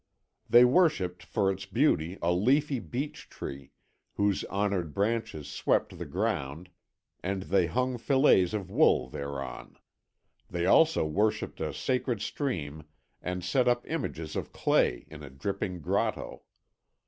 They worshipped for its beauty a leafy beech tree, whose honoured branches swept the ground, and they hung fillets of wool thereon. They also worshipped a sacred stream and set up images of clay in a dripping grotto.